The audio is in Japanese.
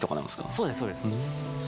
そうですそうです。